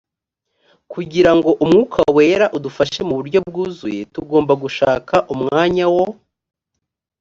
kugira ngo umwuka wera udufashe mu buryo bwuzuye tugomba gushaka umwanya wo